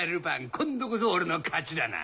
今度こそ俺の勝ちだな！